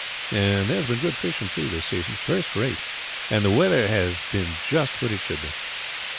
And there's been good fishing, too, this season, first rate; and the weather has been just what it should be."